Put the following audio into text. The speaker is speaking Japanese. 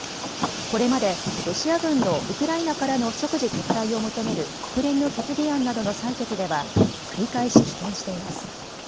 これまでロシア軍のウクライナからの即時撤退を求める国連の決議案などの採決では繰り返し棄権しています。